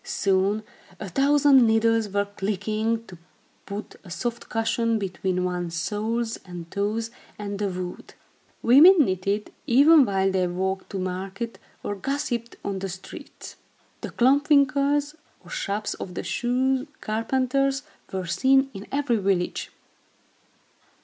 Soon, a thousand needles were clicking, to put a soft cushion between one's soles and toes and the wood. Women knitted, even while they walked to market, or gossiped on the streets. The klomp winkels, or shops of the shoe carpenters, were seen in every village.